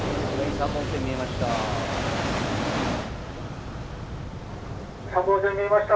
「３本線見えました」。